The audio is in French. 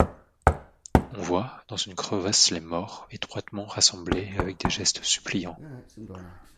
On voit dans une crevasse les morts, étroitement rassemblés et avec des gestes suppliants.